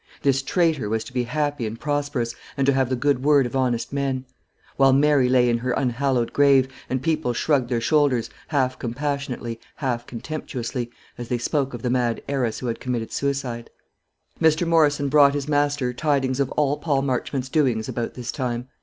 This traitor was to be happy and prosperous, and to have the good word of honest men; while Mary lay in her unhallowed grave, and people shrugged their shoulders, half compassionately, half contemptuously, as they spoke of the mad heiress who had committed suicide. Mr. Morrison brought his master tidings of all Paul Marchmont's doings about this time.